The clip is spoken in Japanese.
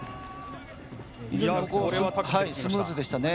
非常にスムーズでしたね。